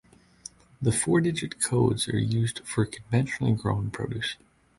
The four digit codes are used for conventionally grown produce.